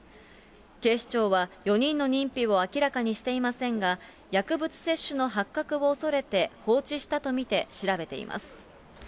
警視庁は４人の認否を明らかにしていませんが、薬物摂取の発覚を恐れて放置したと見て、調べています。